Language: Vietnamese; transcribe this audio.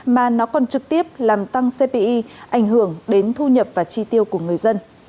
mà nó còn trực tiếp làm tăng cpi ảnh hưởng đến thu nhập và chi tiêu của người dân